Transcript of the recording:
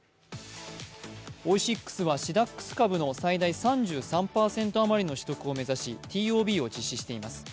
オイシックスはシダックス株の最大３３％余りの取得を目指し、ＴＯＢを実施しています。